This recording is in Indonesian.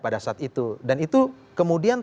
pada saat itu dan itu kemudian